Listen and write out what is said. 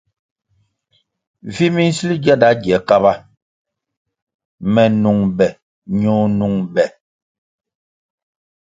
Vi minsil gyanda gie Kaba, me nung be ño nung be.